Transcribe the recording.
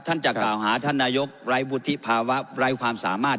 ท่านจะกล่าวหาท่านนายกรัฐมนตรีไร้วุฒิภาวะไร้ความสามารถ